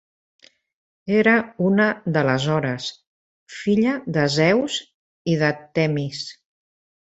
Era una de les Hores, filla de Zeus i de Temis.